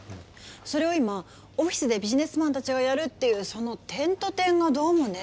それを今オフィスでビジネスマンたちがやるっていうその点と点がどうもねえ。